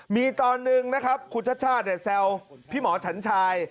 มีตอนนึงนะครับคุณชัชช่าแซวพี่หมอฉันชาย